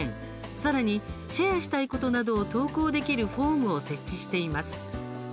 さらにシェアしたいことなどを投稿できるフォームを設置しています。